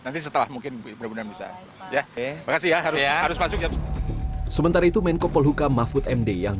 nanti setelah mungkin bisa ya terima kasih harus masuk sementara itu menko polhuka mahfud md yang